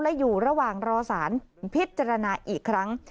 และอยู่ระหว่างรอสารพิจารณาอีกครั้ง